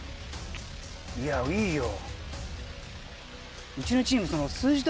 いやいいよ。